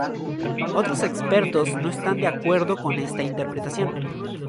Otros expertos no están de acuerdo con esta interpretación.